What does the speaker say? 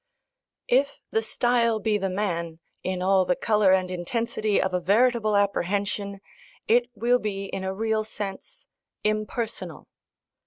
If the style be the man, in all the colour and intensity of a veritable apprehension, it will be in a real sense "impersonal."